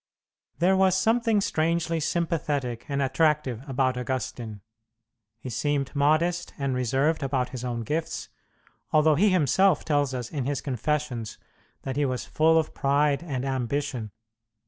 There was something strangely sympathetic and attractive about Augustine. He seemed modest and reserved about his own gifts, although he himself tells us in his Confessions that he was full of pride and ambition.